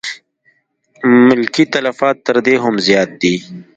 ملکي تلفات تر دې هم زیات دي.